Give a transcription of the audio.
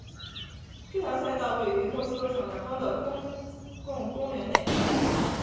这条赛道位于墨西哥城南方的的公共公园内。